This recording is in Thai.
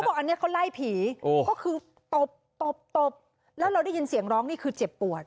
บอกอันนี้เขาไล่ผีก็คือตบตบตบแล้วเราได้ยินเสียงร้องนี่คือเจ็บปวด